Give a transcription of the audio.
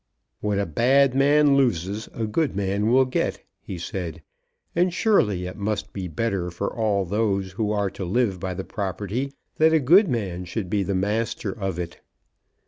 "What a bad man loses a good man will get," he said; "and surely it must be better for all those who are to live by the property that a good man should be the master of it."